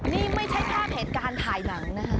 นี่ไม่ใช่แค่เหตุการณ์ถ่ายหนังนะคะ